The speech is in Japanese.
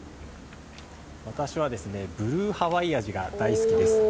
私はですね、ブルーハワイ味が大好きです。